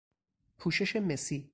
پوشش مسی